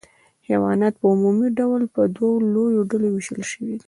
حیوانات په عمومي ډول په دوو لویو ډلو ویشل شوي دي